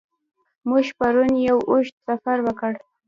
موږ پرون یو اوږد سفر وکړ.